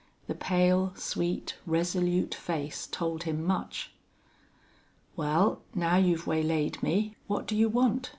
The pale, sweet, resolute face told him much. "Well, now you've waylaid me, what do you want?"